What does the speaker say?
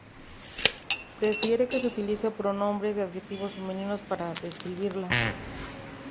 Prefiere que se utilicen pronombres y adjetivos femeninos para describirla.